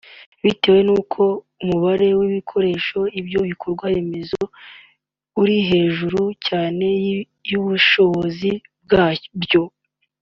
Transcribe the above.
Bitewe n’uko umubare w’’abakoresha ibyo bikorwa remezo urihejuru cyane y’ubushobozi bwabyo